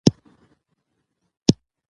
افغانستان په لعل غني دی.